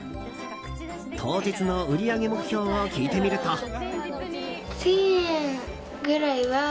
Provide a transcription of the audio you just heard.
当日の売り上げ目標を聞いてみると。